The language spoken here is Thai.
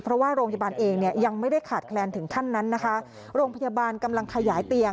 เพราะว่าโรงพยาบาลเองยังไม่ได้ขาดแคลนถึงท่านโรงพยาบาลกำลังขยายเตียง